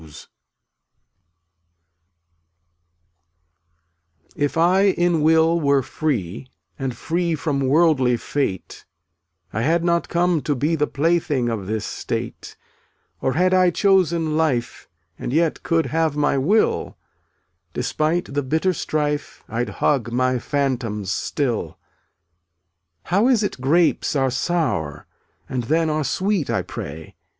1 sun<$ If I in will were free And free from wordly fate, I had not come to be The plaything of this state; Or had I chosen life, And yet could have my will, Despite the bitter strife, Td hug my phantoms still. 318 How is it grapes are sour, And then are sweet, I pray?